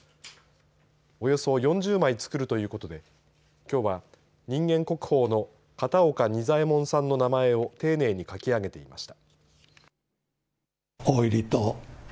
およそ４０枚作るということできょうは、人間国宝の片岡仁左衛門さんの名前を丁寧に書き上げていました。